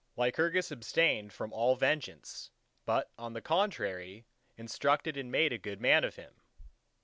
Lycurgus abstained from all vengeance, but on the contrary instructed and made a good man of him.